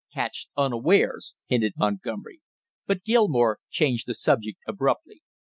"Catched unawares?" hinted Montgomery. But Gilmore changed the subject abruptly.